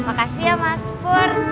makasih ya mas pur